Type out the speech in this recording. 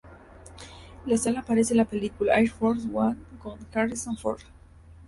La sala aparece en la película Air Force One con Harrison Ford.